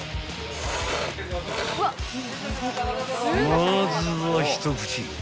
［まずは一口］